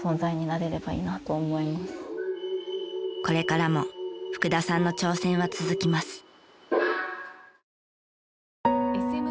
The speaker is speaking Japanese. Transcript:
これからも福田さんの挑戦は続きます。